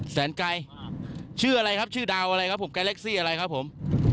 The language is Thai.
แสนไกรใช่ไหมครับผม